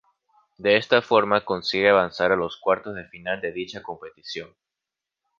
De esta forma consigue avanzar a los cuartos de final de dicha competición.